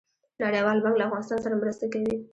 نړیوال بانک له افغانستان سره مرسته کوي